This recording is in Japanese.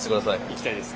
行きたいです。